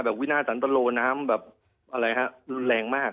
วินาสันตะโลน้ำแบบอะไรฮะรุนแรงมาก